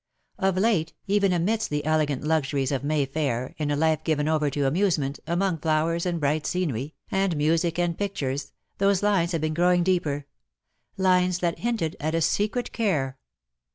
Of late, even amidst the elegant luxuries of May Fair, in a life given over to amusement, among flowers and bright scenery, and music and pictures, those lines had been growing deeper — lines that hinted at a secret care.